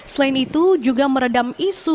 selain itu juga meredam isu